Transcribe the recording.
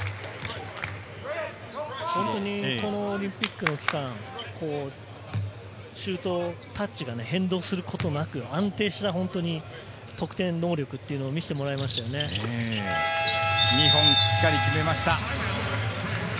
このオリンピックの期間、シュートタッチが変動することなく安定した得点能力というのを見せてもらいましたね。